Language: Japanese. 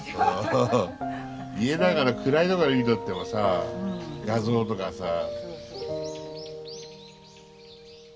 家の中の暗いとこで見とってもさあ画像とかさあ。